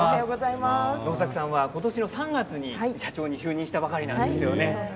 能作さんは今年の３月に社長に就任したばかりなんですよね。